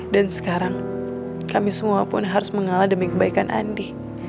dan sekarang kami semua pun harus mengalah demi kebaikan andi